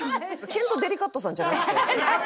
ケント・デリカットさんじゃなくて？